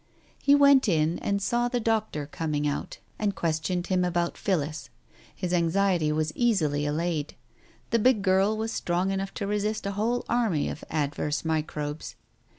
He went in, and saw the doctor coming out and ques Digitized by Google THE TIGER SKIN 293 tioned him about Phillis. His anxiety was easily allayed. The big girl was strong enough to resist a whole army of adverse microbes.